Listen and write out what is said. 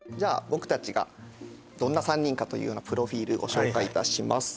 僕たちがどんな３人かというようなプロフィールご紹介いたします